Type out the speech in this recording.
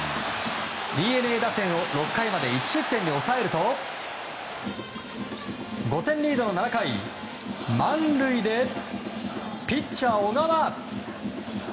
ＤｅＮＡ打線を６回まで１失点に抑えると５点リードの７回満塁でピッチャー、小川。